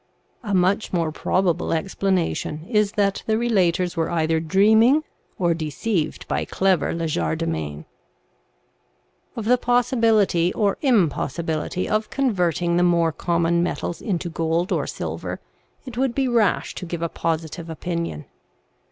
A much more probable explanation is that the relators were either dreaming or deceived by clever legerdemain. Of the possibility or impossibility of converting the more common metals into gold or silver, it would be rash to give a positive opinion.